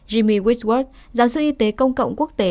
jimmy whitworth giáo sư y tế công cộng quốc tế